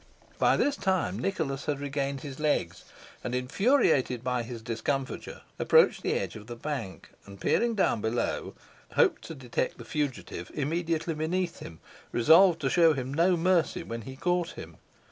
By this time, Nicholas had regained his legs, and, infuriated by his discomfiture, approached the edge of the bank, and peering down below, hoped to detect the fugitive immediately beneath him, resolved to show him no mercy when he caught him.